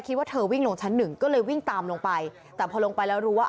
คิดว่าเธอวิ่งลงชั้นหนึ่งก็เลยวิ่งตามลงไปแต่พอลงไปแล้วรู้ว่า